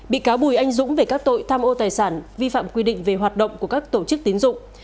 bị cáo bùi anh dũng về các tội tham ô tài sản vi phạm quy định về hoạt động của các tổ chức tín dụng